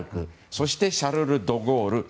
そして、シャルル・ド・ゴール。